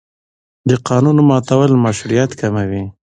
د قانون ماتول مشروعیت کموي